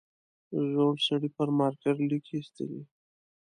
زوړ سړي پر مارکر ليکې ایستلې.